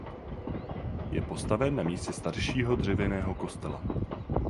Je postaven na místě staršího dřevěného kostela.